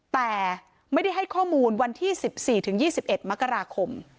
แต่ไม่ได้ให้ข้อมูลวันที่๑๔๒๑มกราคม